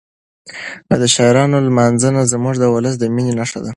د شاعرانو لمانځنه زموږ د ولس د مینې نښه ده.